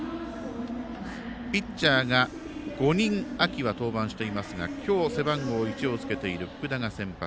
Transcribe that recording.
ピッチャーが５人秋は登板していますが今日、背番号１をつけている福田が先発。